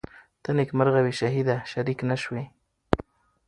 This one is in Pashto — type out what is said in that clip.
ته نیکمرغه وې شهیده شریک نه سوې